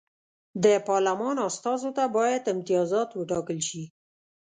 د پارلمان استازو ته باید امتیازات وټاکل شي.